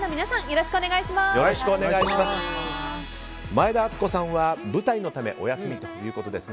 よろしくお願いします。